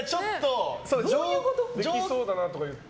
できそうだなって言って。